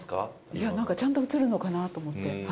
いやなんかちゃんと写るのかなと思って。